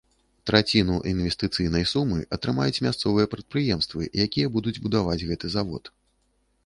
Траціну інвестыцыйнай сумы атрымаюць мясцовыя прадпрыемствы, якія будуць будаваць гэты завод.